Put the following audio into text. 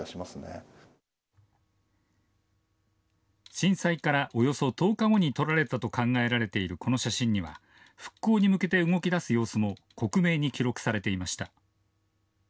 震災からおよそ１０日後に撮られたと考えられているこの写真には復興に向けて動きだす様子も克明に記録されていました。